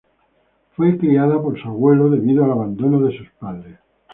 Fue criada por su abuelo debido al abandono de sus padres.